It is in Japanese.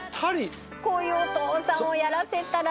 こういうお父さんをやらせたらもう。